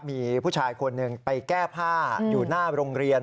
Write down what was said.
มีผู้ชายคนหนึ่งไปแก้ผ้าอยู่หน้าโรงเรียน